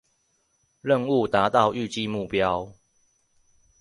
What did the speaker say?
任務達到預計目標